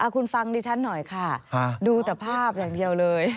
คุณฟังดิฉันหน่อยค่ะดูแต่ภาพอย่างเดียวเลย